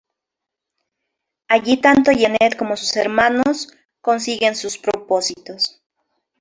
Allí tanto Jeannette como sus hermanos, consiguen sus propósitos.